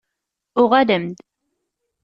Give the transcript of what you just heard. Uɣalem-d!